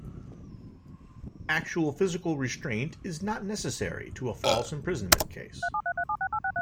Actual physical restraint is not necessary to a false imprisonment case.